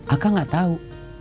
akang gak tau